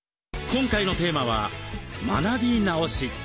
今回のテーマは「学び直し」。